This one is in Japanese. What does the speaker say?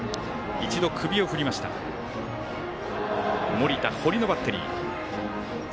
盛田、堀のバッテリー。